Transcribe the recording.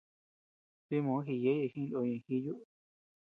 Dimoo gíyeye jinoo ñeʼe jíyuu.